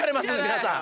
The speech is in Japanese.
皆さん。